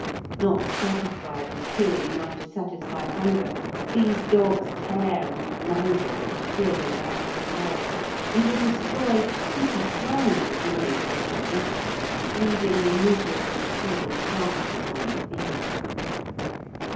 Not satisfied with killing enough to satisfy hunger, these dogs tear and mangle for sheer delight of blood, and will destroy twenty times as many as they can eat, leaving the miserably torn carcases on the field.